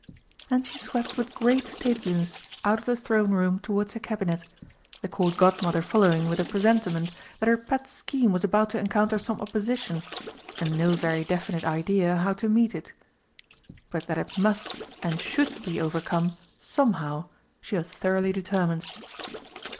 And she swept with great stateliness out of the Throne Room towards her Cabinet, the Court Godmother following with a presentiment that her pet scheme was about to encounter some opposition, and no very definite idea how to meet it. But that it must and should be overcome somehow she was thoroughly determined.